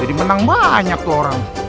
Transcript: jadi menang banyak tuh orang